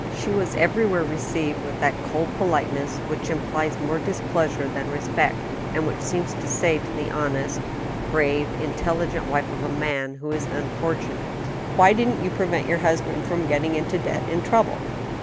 She was everywhere received with that cold politeness which implies more displeasure than respect, and which seems to say to the honest, brave, intelligent wife of a man who is unfortunate :Why didn't you prevent your husband from getting into debt and trouble